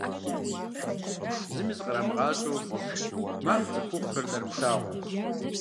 Зыми зыкърамыгъащӏэу, магъ цӏыхухъухэр нэрымылъагъуу.